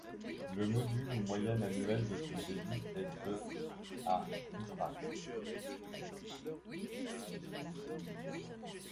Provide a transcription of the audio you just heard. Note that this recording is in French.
Le module ou moyenne annuelle de son débit est de à Ytrac.